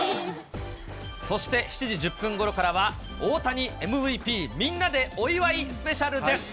そして、７時１０分ごろからは、大谷ＭＶＰみんなでお祝いスペシャルです。